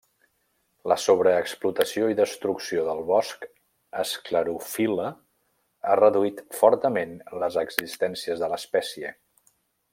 La sobreexplotació i destrucció del bosc esclerofil·le ha reduït fortament les existències de l'espècie.